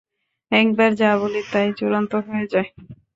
একবার যা বলি তাই চূড়ান্ত হয়ে যায়।